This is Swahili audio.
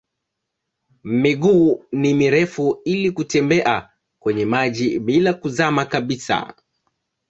Miguu ni mirefu ili kutembea kwenye maji bila kuzama kabisa.